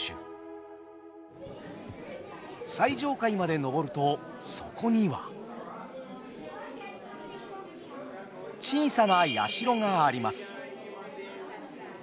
最上階まで上るとそこには小さな社があります。